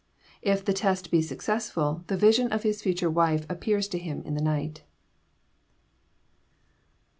If the test be successful the vision of his future wife appears to him in the night. IV.